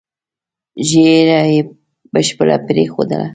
ږیره یې بشپړه پرېښودله.